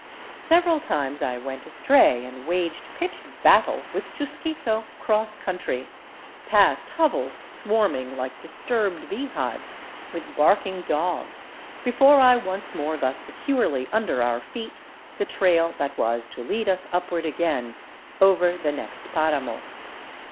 Several I times I went astray and waged pitched battle with Chusquito cross ;countr}% past hovels swarming like disturbed beehives with barking i 369 VAGABONDING DOWN THE ANDES dogs, before T once more got securely under our feet the trail that was to lead us upward again over the next paramo.